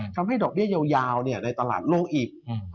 ทำให้ดอกเบี้ยยาวนี้ในตลาดลงอีก